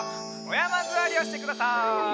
おやまずわりをしてください。